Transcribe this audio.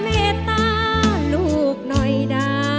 เพลง